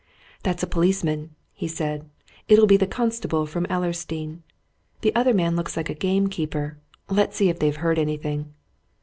"That's a policeman," he said. "It'll be the constable from Ellersdeane. The other man looks like a gamekeeper. Let's see if they've heard anything."